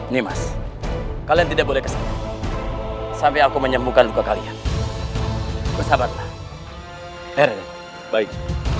nimas kalian tidak boleh sampai aku menyembuhkan ke kalian bersabarlah er baik